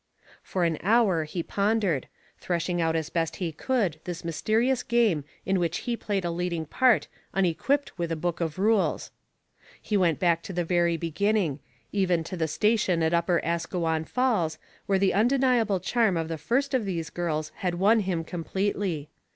For an hour he pondered, threshing out as best he could this mysterious game in which he played a leading part unequipped with a book of rules. He went back to the very beginning even to the station at Upper Asquewan Falls where the undeniable charm of the first of these girls had won him completely.